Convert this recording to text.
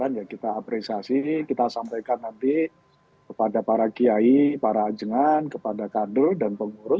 tentu sebagai sebuah tawaran ya kita apresiasi kita sampaikan nanti kepada para kiai para ajngan kepada kader dan pengurus